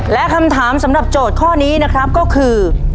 และคำถามสำหรับโจทย์ข้อนี้นะครับก็คือ